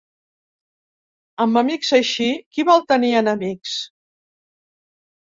Amb amics així, qui vol tenir enemics?